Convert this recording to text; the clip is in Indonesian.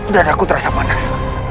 dan aku terasa panas